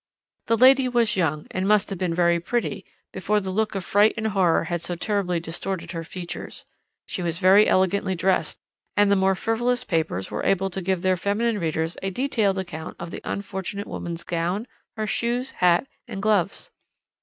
"The lady was young, and must have been very pretty before the look of fright and horror had so terribly distorted her features. She was very elegantly dressed, and the more frivolous papers were able to give their feminine readers a detailed account of the unfortunate woman's gown, her shoes, hat, and gloves.